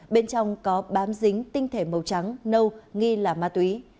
bên trong có bám dính tinh thể màu trắng nâu nghi là ma túy